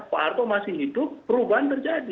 pak harto masih hidup perubahan terjadi